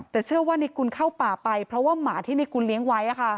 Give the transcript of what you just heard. แต่เชื่อว่าในกุลเข้าป่าไปเพราะว่าหมาที่ในกุลเลี้ยงไว้